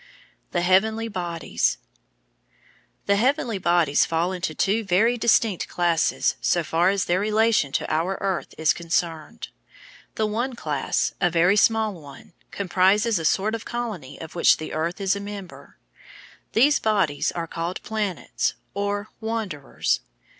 The Heavenly Bodies The heavenly bodies fall into two very distinct classes so far as their relation to our Earth is concerned; the one class, a very small one, comprises a sort of colony of which the Earth is a member. These bodies are called planets, or wanderers.